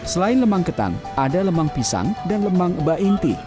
selain lemang ketan ada lemang pisang dan lemang bainti